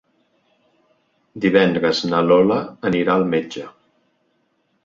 Divendres na Lola anirà al metge.